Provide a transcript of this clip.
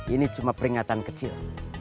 ini cuma peringatan kecil